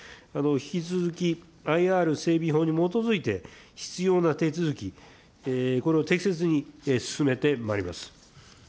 引き続き、ＩＲ整備法に基づいて、必要な手続き、これを適切に進めてまいります。